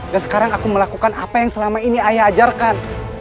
dan sekarang aku melakukan apa yang selama ini ayah ajarkan